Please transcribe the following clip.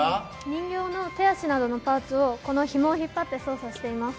人形の手足などのパーツをこのひもを引っ張って操作しています。